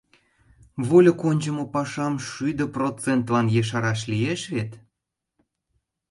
Вольык ончымо пашам шӱдӧ процентлан ешараш лиеш вет...